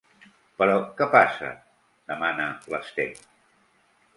Però què passa? —demana l'Sten.